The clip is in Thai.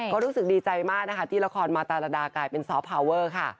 ก็รู้สึกดีใจมากนะคะที่ละครมาตารดากลายเป็นซอฟพาวเวอร์ค่ะ